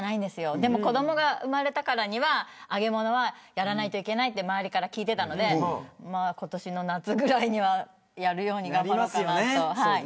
でも、子どもが生まれたからには揚げ物は、やらないといけないと周りから聞いていたので今年の夏ぐらいにはやるように頑張らないと。